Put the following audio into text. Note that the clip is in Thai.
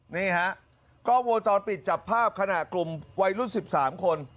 นี่ฮะกล้องวงจรปิดจับภาพขณะกลุ่มวัยรุ่น๑๓คน